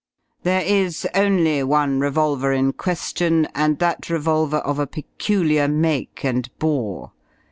There is only one revolver in question, and that revolver of a peculiar make and bore.